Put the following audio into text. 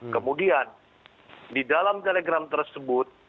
kemudian di dalam telegram tersebut